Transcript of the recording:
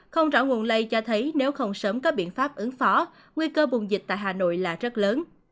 không rõ nguồn lây cho thấy nếu không sớm có biện pháp ứng phó nguy cơ bùng dịch tại hà nội là rất lớn